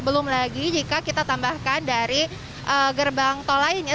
belum lagi jika kita tambahkan dari gerbang tol lainnya